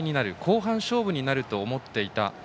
後半勝負になると思っていた。